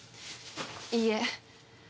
いいえ